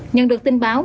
nhận được tin báo